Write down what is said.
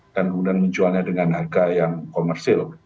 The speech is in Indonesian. dan kemudian menjualnya dengan harga yang komersil